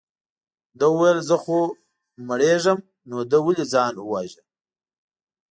ده وویل زه خو مرېږم نو ده ولې ځان وواژه.